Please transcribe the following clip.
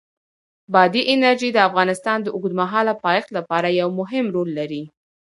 بادي انرژي د افغانستان د اوږدمهاله پایښت لپاره یو مهم رول لري.